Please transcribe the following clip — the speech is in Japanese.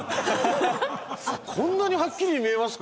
こんなにはっきり見えますか！